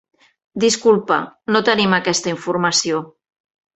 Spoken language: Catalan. Disculpa, no tenim aquesta informació.